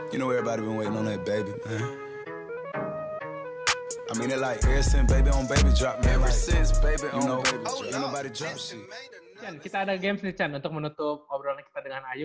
chan kita ada game nih chan untuk menutup obrolan kita dengan ayu